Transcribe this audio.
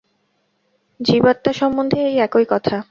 জীবাত্মা সম্বন্ধে এই একই কথা।